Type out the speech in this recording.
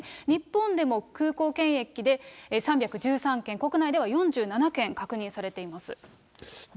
日本でも空港検疫で３１３件、国内でも４７件確認されています。